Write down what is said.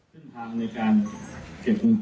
ไปแค่๒๐๐๐๐บาท